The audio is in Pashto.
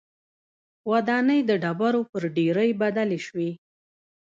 ودانۍ د ډبرو پر ډېرۍ بدلې شوې